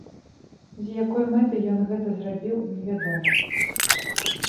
З якой мэтай ён гэта зрабіў, невядома.